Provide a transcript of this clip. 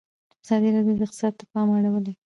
ازادي راډیو د اقتصاد ته پام اړولی.